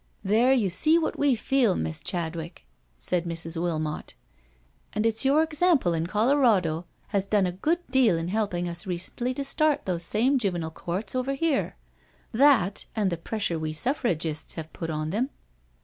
" There, you see what we feel. Miss Chadwick," said Mrs. Wilmot. " And it's your example in Colorado has done a good deal in helping us recently to start those same Juvenile Courts over here — that, and the pressure we Suffragists have ptit on them."